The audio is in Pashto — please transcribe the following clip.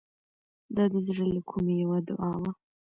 دا د زړه له کومې یوه دعا وه.